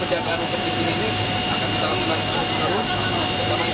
perjalanan untuk ke sini ini akan kita lakukan terus